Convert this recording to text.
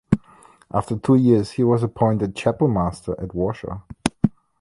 After two years he was appointed chapel master at Warsaw.